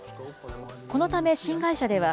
このため、新会社では、